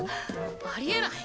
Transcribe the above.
ありえない。